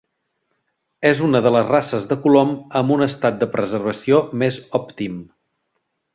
És una de les races de colom amb un estat de preservació més òptim.